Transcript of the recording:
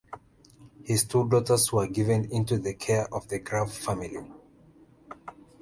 His two daughters were given into the care of the Graff family.